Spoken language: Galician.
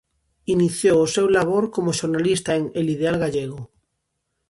Iniciou o seu labor como xornalista en "El Ideal Gallego".